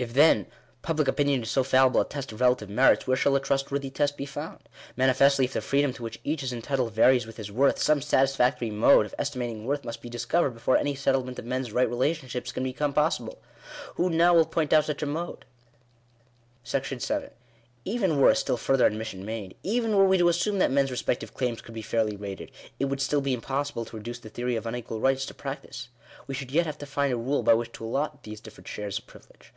If, then, public opinion is so fallible a test of relative merits, where shall a trustworthy test be found ? Manifestly, if the freedom to which each is entitled varies with his worth, some satisfactory mode of estimating worth must be discovered before any settlement of men's right relationships can become possible. Who now will point out such a mode ? §7. Even were a still further admission made — even were we to assume that men's respective claims could be fairly rated — it would still be impossible to reduce the theory of unequal rights to practice. We should yet have to find a rule by which to allot these different shares of privilege.